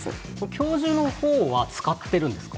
教授の方は使っているんですか？